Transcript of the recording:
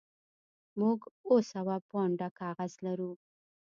موږ اوه سوه پونډه کاغذ لرو